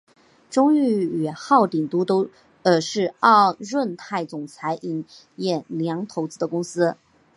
中裕与浩鼎都是润泰总裁尹衍梁投资的公司。